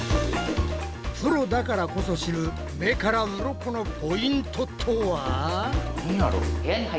プロだからこそ知る目からウロコのポイントとは？